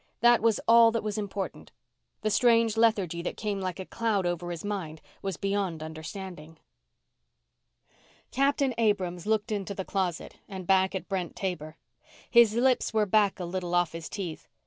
That was all that was important. The strange lethargy that came like a cloud over his mind was beyond understanding. Captain Abrams looked into the closet and back at Brent Taber. His lips were back a little off his teeth.